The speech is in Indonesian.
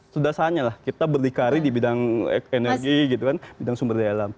sudah saatnya lah kita berdikari di bidang energi gitu kan bidang sumber daya alam